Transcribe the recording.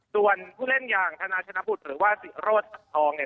ส่วนผู้เล่นอย่างธนาชนพุธหรือว่ารถสับทองเนี่ย